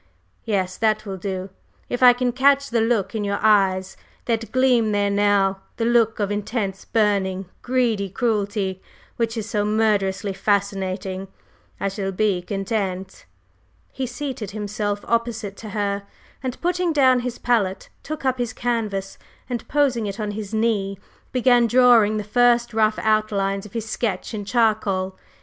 Yes, that will do; if I can catch the look in your eyes that gleams there now, the look of intense, burning, greedy cruelty which is so murderously fascinating, I shall be content." He seated himself opposite to her, and, putting down his palette, took up his canvas, and posing it on his knee, began drawing the first rough outline of his sketch in charcoal.